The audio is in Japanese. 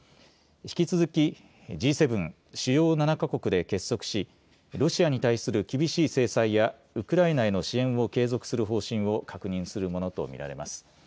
引き続きＧ７・主要７か国で結束しロシアに対する厳しい制裁やウクライナへの支援を継続する方針を確認するものと見られます。